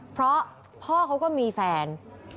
เพราะพ่อเขาก็มีแฟน